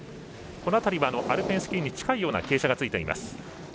この辺りはアルペンスキーに近い傾斜がついています。